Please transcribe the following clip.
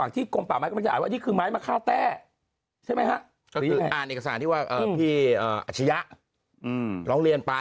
ที่ว่าพี่อาชะทกรุงโรงเรียนไป